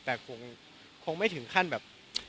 แต่คงไม่ถึงขั้นแบบ